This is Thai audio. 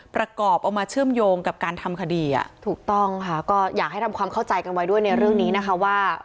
เอามาเชื่อมโยงกับการทำคดีอ่ะถูกต้องค่ะก็อยากให้ทำความเข้าใจกันไว้ด้วยในเรื่องนี้นะคะว่า